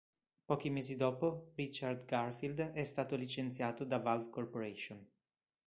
Pochi mesi dopo, Richard Garfield è stato licenziato da Valve Corporation.